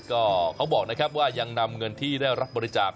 ก็เขาบอกนะครับว่ายังนำเงินที่ได้รับบริจาค